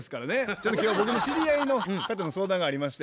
ちょっと今日は僕の知り合いの方の相談がありまして。